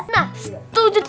nah setuju tuh